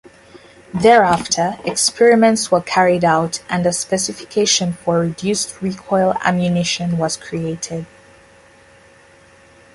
Thereafter, experiments were carried out, and a specification for reduced-recoil ammunition was created.